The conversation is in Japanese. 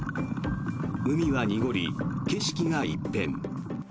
海は濁り、景色が一変。